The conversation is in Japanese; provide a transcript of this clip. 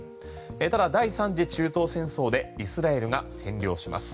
ただ、第３次中東戦争でイスラエルが占領します。